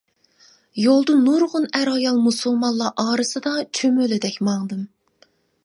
يولدا نۇرغۇن ئەر-ئايال مۇسۇلمانلار ئارىسىدا چۈمۈلىدەك ماڭدىم.